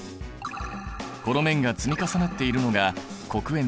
この面が積み重なっているのが黒鉛の結晶だ。